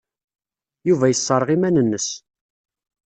Yuba yesserɣ iman-nnes.